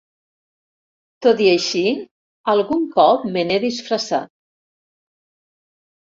Tot i així, algun cop me n'he disfressat.